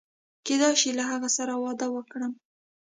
کېدای شي له هغې سره واده وکړم.